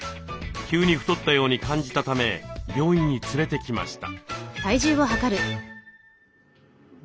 急に太ったように感じたため病院に連れてきました。